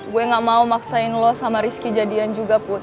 gue gak mau maksain lo sama rizky jadian juga put